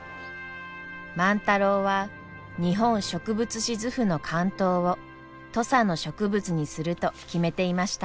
万太郎は「日本植物志図譜」の巻頭を土佐の植物にすると決めていました。